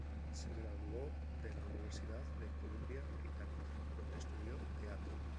Se graduó de la Universidad de Columbia Británica, donde estudió teatro.